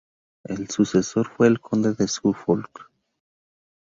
El sucesor fue el conde de Suffolk.